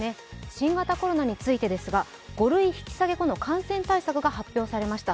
新型コロナについてですが５類引き下げ後の感染対策が発表されました。